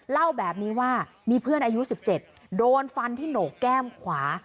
เล่าแบบนี้ว่ามีเพื่อนอายุ๑๗โดนฟันที่โหนกแก้มขวา